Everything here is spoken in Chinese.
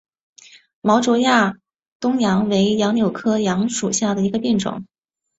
毛轴亚东杨为杨柳科杨属下的一个变种。